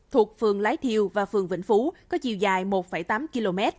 thuộc phường lái thiêu và phường vĩnh phú có chiều dài một tám km